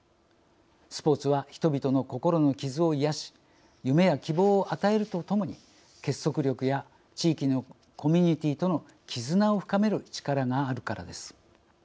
スポーツは人々の心の傷を癒やし夢や希望を与えるとともに結束力や地域のコミュニティーとの絆を深める力があるからです。